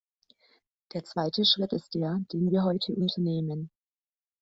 Der zweite Schritt ist der, den wir heute unternehmen.